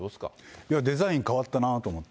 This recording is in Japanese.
いや、デザイン、変わったなと思って。